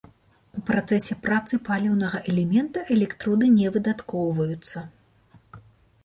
У працэсе працы паліўнага элемента, электроды не выдаткоўваюцца.